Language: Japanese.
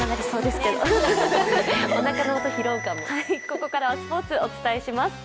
ここからはスポーツ、お伝えします。